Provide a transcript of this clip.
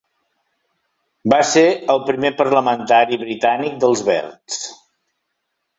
Va ser el primer parlamentari britànic dels Verds.